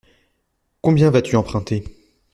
Combien vas-tu emprunter?